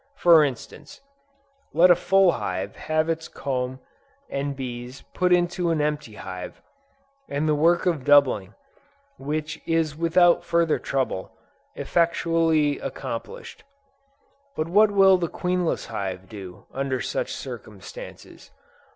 For instance: let a full hive have half its comb and bees put into an empty hive, and the work of doubling, is without further trouble, effectually accomplished. But what will the queenless hive do, under such circumstances?